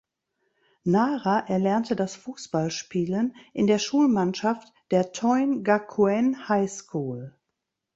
Nara erlernte das Fußballspielen in der Schulmannschaft der "Toin Gakuen High School".